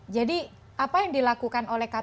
jadi apa yang dilakukan oleh kpu ini